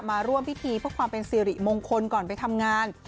มาร่วมพิธีเพื่อความเป็นสิริมงคลก่อนไปทำงาน